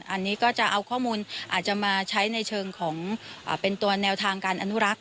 อันนี้ก็จะเอาข้อมูลอาจจะมาใช้ในเชิงของเป็นตัวแนวทางการอนุรักษ์